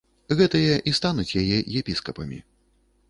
Гэтыя і стануць яе епіскапамі.